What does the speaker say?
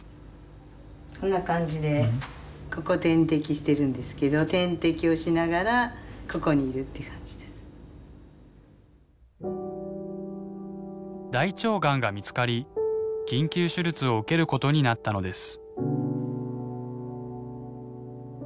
こんな感じでここ点滴してるんですけど大腸がんが見つかり緊急手術を受けることになったのです。